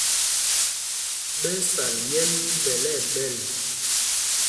Ɓɛ́ ɛ́ sal myɛ̌l mí Ɓɛ̂l ɛɓɛl.